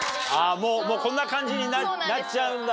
もうこんな感じになっちゃうんだ。